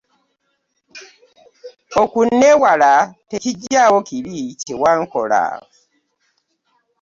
okunneewala tekiggyawo kiri kye wankola.